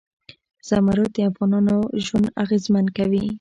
زمرد د افغانانو ژوند اغېزمن کوي.